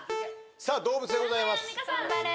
さあ動物でございます。